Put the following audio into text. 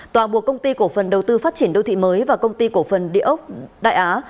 tòa buộc công ty cổ phần đầu tư phát triển đô thị mới và công ty cổ phần địa ốc đại á